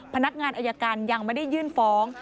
พนักงานอายการยังไม่ได้ยื่นฟ้อง